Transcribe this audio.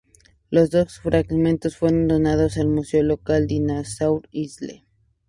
Los dos fragmentos fueron donados aL museo local Dinosaur Isle.